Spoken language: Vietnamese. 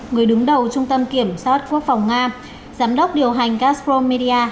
người đứng đầu trung tâm kiểm soát quốc phòng nga giám đốc điều hành gazprom media